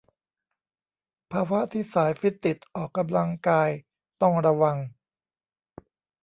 ภาวะที่สายฟิตติดออกกำลังกายต้องระวัง